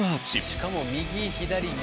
「しかも右左右」